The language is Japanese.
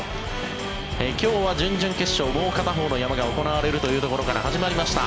今日は、準々決勝もう片方の山が行われるところから始まりました。